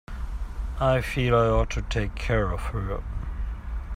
I feel I ought to take care of her.